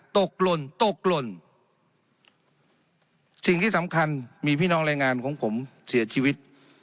หล่นตกหล่นสิ่งที่สำคัญมีพี่น้องแรงงานของผมเสียชีวิต